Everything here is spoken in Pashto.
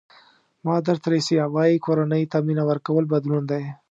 مادر تریسیا وایي کورنۍ ته مینه ورکول بدلون دی.